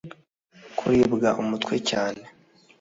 kuribwa umutwe cyane